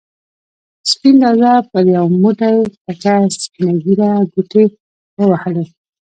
سپین دادا پر یو موټی تکه سپینه ږېره ګوتې ووهلې.